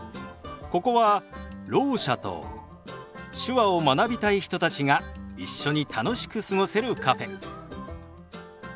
ここはろう者と手話を学びたい人たちが一緒に楽しく過ごせるカフェ。